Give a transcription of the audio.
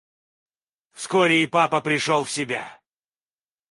Вскоре и папа пришел в себя.